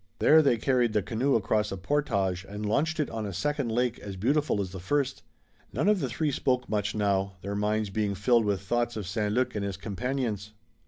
There they carried the canoe across a portage and launched it on a second lake as beautiful as the first. None of the three spoke much now, their minds being filled with thoughts of St. Luc and his companions.